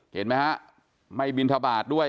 เห็นไหมฮะไม่บินทบาทด้วย